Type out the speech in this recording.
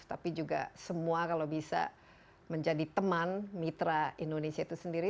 tapi juga semua kalau bisa menjadi teman mitra indonesia itu sendiri